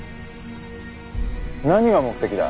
何が目的だ？